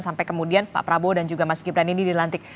sampai kemudian pak prabowo dan juga mas gibran ini dilantik